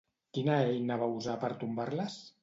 Quina eina va usar per tombar-les?